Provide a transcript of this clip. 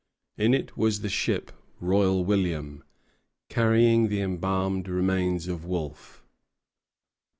In it was the ship "Royal William," carrying the embalmed remains of Wolfe.